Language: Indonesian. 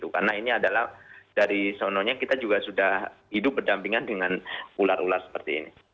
karena ini adalah dari sononya kita juga sudah hidup berdampingan dengan ular ular seperti ini